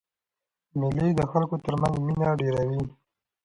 مېلې د خلکو تر منځ مینه ډېروي.